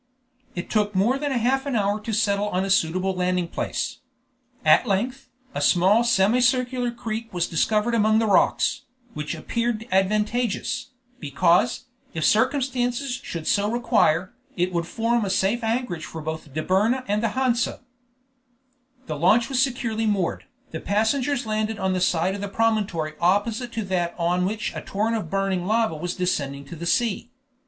It took more than half an hour to settle on a suitable landing place. At length, a small semi circular creek was discovered among the rocks, which appeared advantageous, because, if circumstances should so require, it would form a safe anchorage for both the Dobryna and the Hansa. The launch securely moored, the passengers landed on the side of the promontory opposite to that on which a torrent of burning lava was descending to the sea.